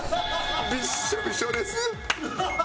びっしょびしょです。